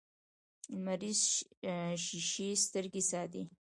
لمریزې شیشې سترګې ساتي